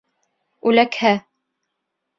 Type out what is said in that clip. Үләкһә!